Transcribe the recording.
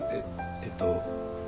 えっと。